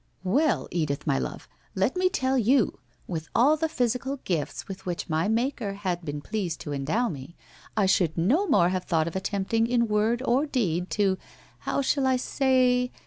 Well, Edith, my love, let me tell you, with all the physical gifts with which my Maker had been pleased to endow me, I should no more have thought of attempting in word or deed to — how shall I say?